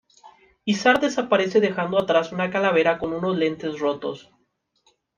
Izard desaparece dejando atrás una calavera con unos lentes rotos.